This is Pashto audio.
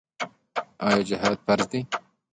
آیا جهاد فرض دی؟